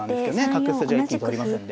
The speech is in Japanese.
角筋は一気に通りますんで。